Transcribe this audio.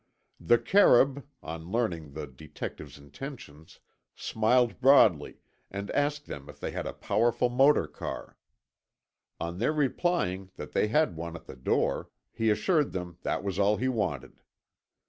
The Kerûb, on learning the detectives' intentions, smiled broadly and asked them if they had a powerful motor car. On their replying that they had one at the door, he assured them that was all he wanted.